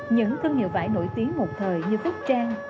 những thương hiệu vải nổi tiếng một thời như phúc trang